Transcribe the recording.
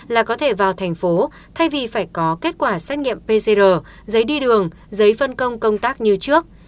là có thể vào thành phố thay vì phải có kết quả xét nghiệm pcr giấy đi đường giấy phân công công tác như trước